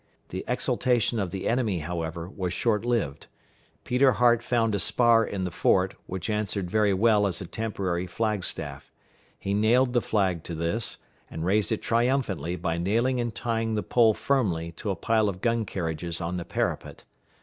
The exultation of the enemy, however, was short lived. Peter Hart found a spar in the fort, which answered very well as a temporary flag staff. He nailed the flag to this, and raised it triumphantly by nailing and tying the pole firmly to a pile of gun carriages on the parapet.